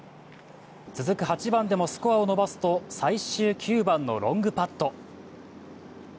続く８番でもスコアを伸ばすと最終９番のロングパット。